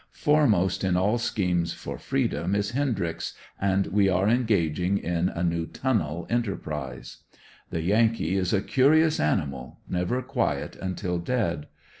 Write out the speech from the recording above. Foremost in all schemes for freedom is Hendryx, and we are engaging in a new tunnel enterprise. The yankee is a curious animal, never quiet until dead.